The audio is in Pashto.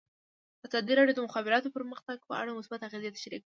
ازادي راډیو د د مخابراتو پرمختګ په اړه مثبت اغېزې تشریح کړي.